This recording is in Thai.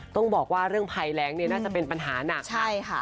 ต้องบอกว่าเรื่องภัยแรงน่าจะเป็นปัญหานัก